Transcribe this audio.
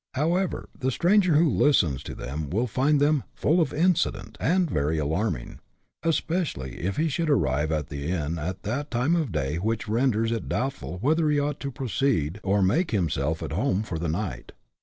However, the stranger who listens to them will find them " full of incident," and very alarming, especially if he should arrive at an inn at that time of day which renders it doubtful whether he ought to proceed or make himself at home for the night.